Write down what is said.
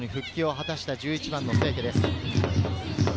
見事に復帰を果たした１１番・清家です。